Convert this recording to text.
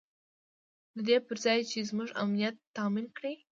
د دې پر ځای چې زموږ امنیت تامین کړي.